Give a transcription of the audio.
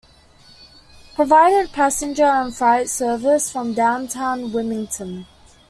Provided passenger and freight service from downtown Wilmington.